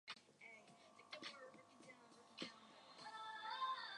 Zone B was administered by Yugoslavia.